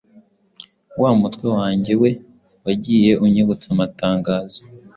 Wa mutwe wange we wagiye unyibutsa amatangazo!